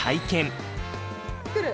来る。